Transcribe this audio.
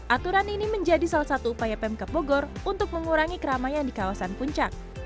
aturan ini menjadi salah satu upaya pemkap bogor untuk mengurangi keramaian di kawasan puncak